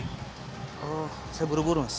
oh saya buru buru mas